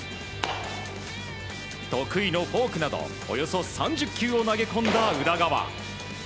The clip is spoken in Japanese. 得意のフォークなどおよそ３０球を投げ込んだ宇田川。